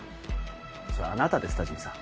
それはあなたです多治見さん。